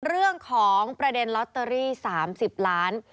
เรื่องของประเด็นลอตเตอรี่๓๐ล้าน